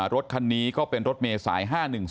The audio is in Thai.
รถคันนี้ก็เป็นรถเมษาย๕๑๒